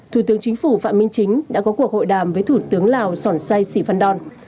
thủ tướng chính phủ phạm minh chính đã có cuộc hội đàm với thủ tướng lào sỏn sai sĩ phan đòn